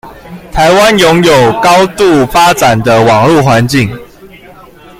臺灣擁有高度發展的網路環境